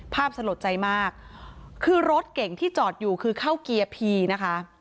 สลดใจมากคือรถเก่งที่จอดอยู่คือเข้าเกียร์พีนะคะ